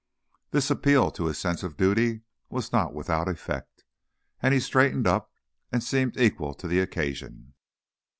This appeal to his sense of duty was not without effect, and he straightened up and seemed equal to the occasion.